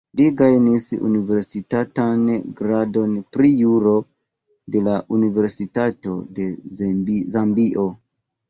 Li gajnis universitatan gradon pri juro de la Universitato de Zambio.